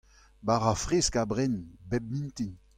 bara fresk a bren bep mintin.